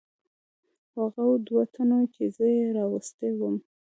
هغو دوو تنو چې زه یې راوستی ووم.